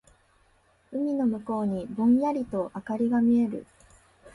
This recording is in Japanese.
海の向こうにぼんやりと灯りが見える。